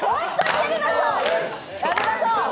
やめましょう！